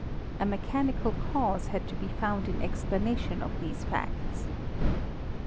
A mechanical cause had to be found in explanation of these facts.